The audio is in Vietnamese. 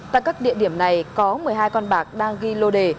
tại các địa điểm này có một mươi hai con bạc đang ghi lô đề